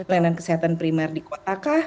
layanan kesehatan primer di kotakah